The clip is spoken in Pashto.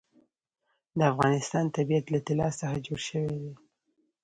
د افغانستان طبیعت له طلا څخه جوړ شوی دی.